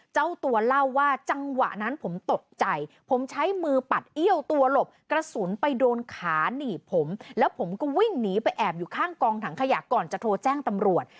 เจ้าตัวเล่าว่าจังหวะนั้นผมตกใจผมใช้มือปัดเอี้ยวตัวหลบกระสุนไปโดนขาหนีบผมแล้วผมก็วิ่งหนีไปแอบอยู่ข้างกองถังขยะก่อนจะโทรแจ้งตำรวจ